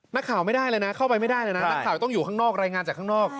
นักข่าวไม่ได้เลยนะเข้าไปไม่ได้เลยนะนักข่าวต้องอยู่ข้างนอกรายงานจากข้างนอก